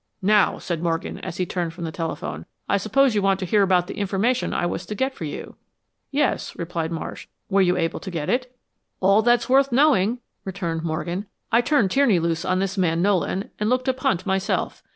"Now," said Morgan, as he turned from the telephone, "I suppose you want to hear about the information I was to get for you." "Yes," replied Marsh. "Were you able to get it?" "All that's worth knowing," returned Morgan. "I turned Tierney loose on this man Nolan, and looked up Hunt myself.